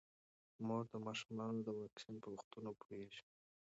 مور د ماشومانو د واکسین په وختونو پوهیږي.